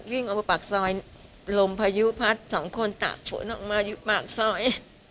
วิ่งออกมาปากซอยลมพายุพัดสองคนตากฝนออกมาอยู่ปากซอย